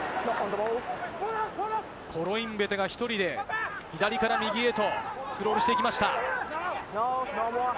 コロインベテが１人で左から右へとスクロールしていきました。